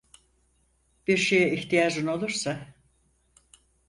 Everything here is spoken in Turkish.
Bir şeye ihtiyacın olursa…